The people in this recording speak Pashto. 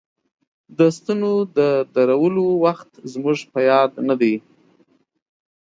د ستنو د درولو وخت زموږ په یاد نه دی.